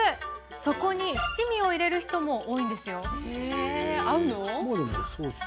そこに七味を入れる人も多いんですよ。